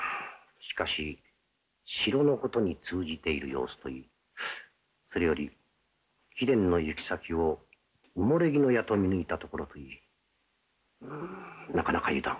しかし城のことに通じている様子といいそれより貴殿の行き先を埋木舎と見抜いたところといいうんなかなか油断がならん。